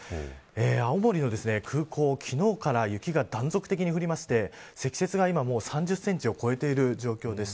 青森の空港は、昨日から雪が断続的に降りまして積雪が今３０センチを超えている状況です。